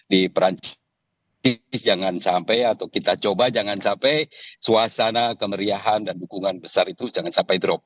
di perancis jangan sampai atau kita coba jangan sampai suasana kemeriahan dan dukungan besar itu jangan sampai drop